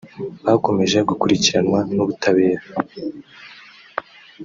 bakomeje gukurikiranwa n’ubutabera